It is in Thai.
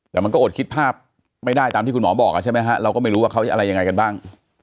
แต่มันก็อดคิดภาพไม่ได้ตามที่คุณหมอบอกใช่ไหมฮะเราก็ไม่รู้ว่าเขาอะไรยังไงกันบ้าง